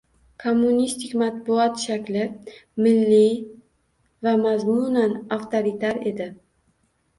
Kommunistik matbuot shakli milliy va mazmunan avtoritar edi